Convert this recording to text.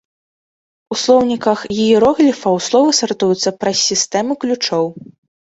У слоўніках іерогліфаў словы сартуюцца праз сістэму ключоў.